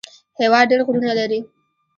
هېواد ډېر غرونه لري